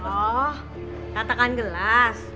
oh tatakan gelas